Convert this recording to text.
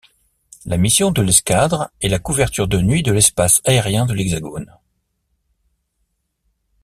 La mission de l'escadre est la couverture de nuit de l'espace aérien de l'hexagone.